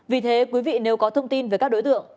vì thế quý vị nếu có thông tin về các đối tượng